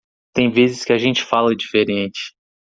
Tem vezes que a gente fala diferente.